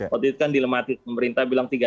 waktu itu kan dilematin pemerintah bilang